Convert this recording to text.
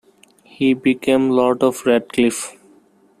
He became Lord of Radcliffe.